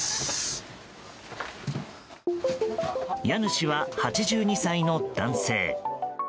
家主は８２歳の男性。